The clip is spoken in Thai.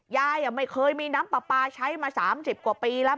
ยายไม่เคยมีน้ำปลาปลาใช้มา๓๐กว่าปีแล้ว